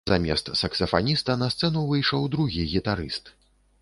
Замест саксафаніста на сцэну выйшаў другі гітарыст.